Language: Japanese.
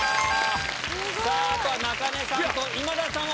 さあ、あとはなかねさんと、今田さんは。